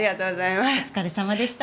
お疲れ様でした。